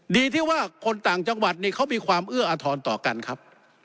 ดีที่ว่าคนต่างจังหวัดนี่เขามีความเอื้ออทรต่อกันครับ